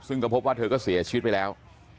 ซึ่งก็พบว่าเธอก็เสียชีวิตไปแล้ว